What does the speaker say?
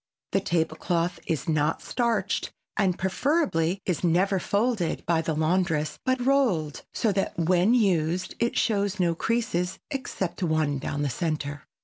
The table cloth is not starched and preferably is never folded by the laundress but rolled so that when used it shows no creases except one down the center.